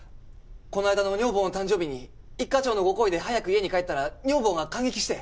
この間の女房の誕生日に一課長のご厚意で早く家に帰ったら女房が感激して。